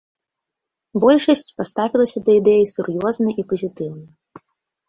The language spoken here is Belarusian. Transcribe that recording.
Большасць паставілася да ідэі сур'ёзна і пазітыўна.